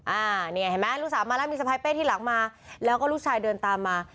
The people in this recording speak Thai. อ่านี่เห็นไหมลูกสาวมาแล้วมีสะพายเป้ที่หลังมาแล้วก็ลูกชายเดินตามมา